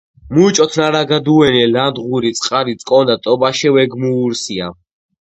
მუჭოთ ნარაგადუენი ლანდღვირი წყარი წკონდა ტობაშე ვეგმუურსია.